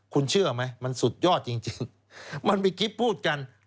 คุณเชื่อไหมมันสุดยอดจริงมันมีคลิปพูดกัน